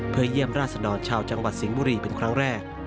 เพื่อเยี่ยมราชดรชาวจังหวัดสิงห์บุรีเป็นครั้งแรก